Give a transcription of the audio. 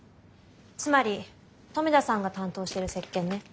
つまり留田さんが担当してる石鹸ね。